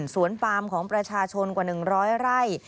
สวนปามของประชาชนกว่า๑๐๐ไร่